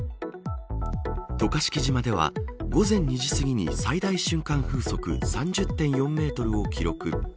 渡嘉敷島では、午前２時すぎに最大瞬間風速３０．４メートルを記録。